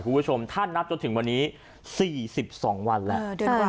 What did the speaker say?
คุณผู้ชมถ้านับจนถึงวันนี้๔๒วันแล้ว